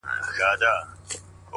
هر غښتلی چي کمزوری سي نو مړ سي -